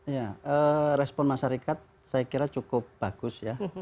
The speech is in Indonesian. ya respon masyarakat saya kira cukup bagus ya